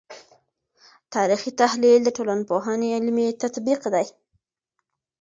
تاریخي تحلیل د ټولنپوهنې علمي تطبیق دی.